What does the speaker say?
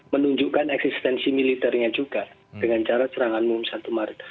menunjukkan eksistensi militernya juga dengan cara serangan umum satu maret